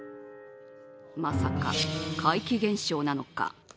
まさか、怪奇現象なのか。